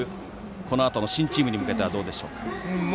このあとの新チームに向けてはどうでしょうか。